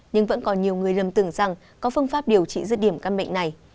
nhưng vẫn còn nhiều người lầm tưởng rằng có phương pháp điều trị dứt điểm cân bệnh này